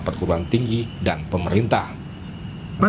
perguruan tinggi dan pemerintah